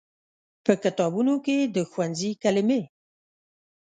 په کتابونو کې د ښوونځي کلمې